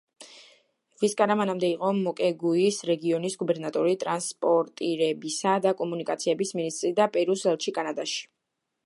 ვისკარა მანამდე იყო მოკეგუის რეგიონის გუბერნატორი, ტრანსპორტირებისა და კომუნიკაციების მინისტრი და პერუს ელჩი კანადაში.